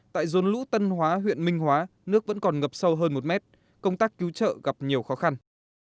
tại dồn lũ tân hóa huyện minh hóa nước vẫn còn ngập sâu hơn một mét công tác cứu trợ gặp nhiều khó khăn